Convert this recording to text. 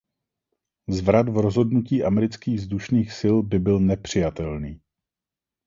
Zvrat v rozhodnutí amerických vzdušných sil by byl nepřijatelný.